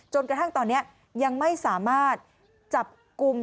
จนกระทั่งตอนนี้ยังไม่สามารถจับกลุ่ม